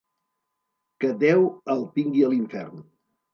Que Déu el tingui a l'infern.